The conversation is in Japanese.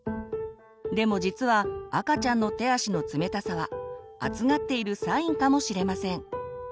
でも実は赤ちゃんの手足の冷たさは暑がっているサインかもしれません。